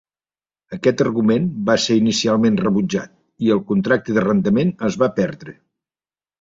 Aquest argument va ser inicialment rebutjat, i el contracte d'arrendament es va perdre.